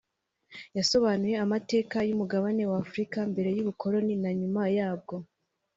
yasobanuye amateka y’umugabane wa Afurika mbere y’ubukoroni na nyuma yabwo